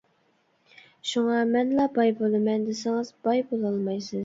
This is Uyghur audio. شۇڭا مەنلا باي بولىمەن دېسىڭىز باي بولالمايسىز.